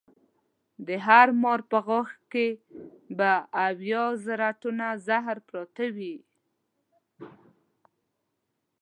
د هر مار په غاښ کې به اویا زره ټنه زهر پراته وي.